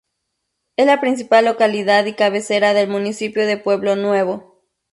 Es la principal localidad y cabecera del municipio de Pueblo Nuevo.